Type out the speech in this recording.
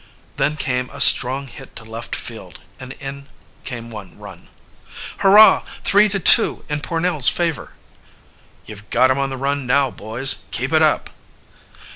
Then came a strong hit to left field, and in came one run. "Hurrah! 3 to 2 in Pornell's favor!" "You've got 'em on the run now, boys; keep it up!"